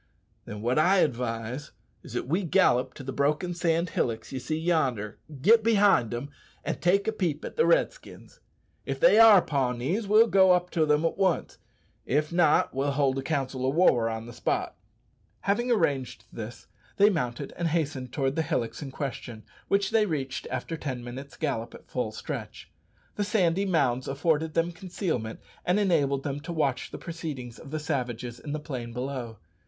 "Then wot I advise is that we gallop to the broken sand hillocks ye see yonder, get behind them, an' take a peep at the Redskins. If they are Pawnees, we'll go up to them at once; if not, we'll hold a council o' war on the spot." Having arranged this, they mounted and hastened towards the hillocks in question, which they reached after ten minutes' gallop at full stretch. The sandy mounds afforded them concealment, and enabled them to watch the proceedings of the savages in the plain below.